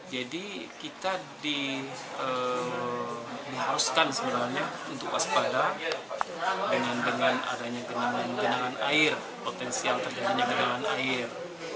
jadi kita diharuskan sebenarnya untuk waspada dengan adanya genangan air potensial terkenanya genangan air